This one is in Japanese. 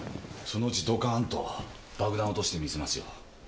そのうちドカーンと爆弾落としてみせますよ。